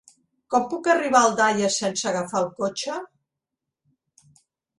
Com puc arribar a Aldaia sense agafar el cotxe?